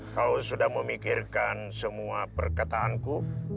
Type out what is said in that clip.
kalau sudah memikirkan semua perkataanku